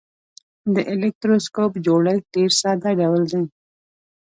د الکتروسکوپ جوړښت ډیر ساده ډول دی.